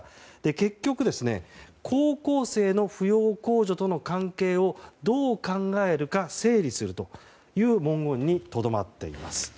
結局高校生の扶養控除との関係をどう考えるか整理するという文言にとどまっています。